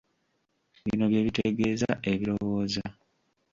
Bino bye bitegeeza ebirowoozo.